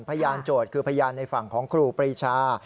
พยานโจรคือพยานในฝั่งของครูพิริชา